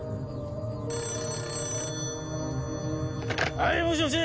☎はいもしもし！